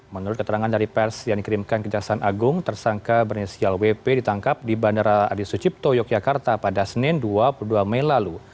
menurut keterangan dari pers yang dikirimkan kejaksaan agung tersangka bernisial wp ditangkap di bandara adi sucipto yogyakarta pada senin dua puluh dua mei lalu